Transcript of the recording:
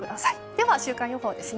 では週間予報です。